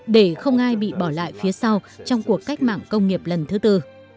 để không ai bị bỏ lại phía sau trong cuộc cách mạng công nghiệp lần thứ tư